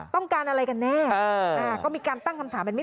ต้องการอะไรกันแน่